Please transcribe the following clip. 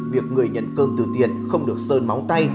việc người nhận cơm tự thiện không được sơn máu tay